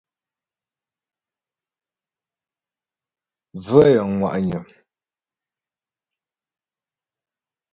Bvə̂ yəŋ ŋwà'nyə̀.